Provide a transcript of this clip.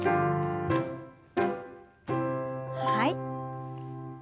はい。